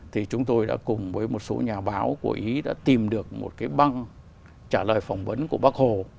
thì chúng tôi đã cùng với một số nhà báo của ý đã tìm được một cái băng trả lời phỏng vấn của bác hồ